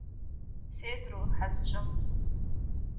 Сеидроу ҳазҿым!